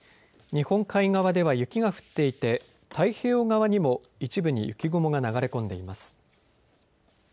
日本海側では雪が降っていて太平洋側にも一部に雪雲が流れ込んでいます。